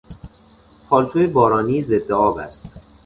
پالتو بارانی ضد آب است.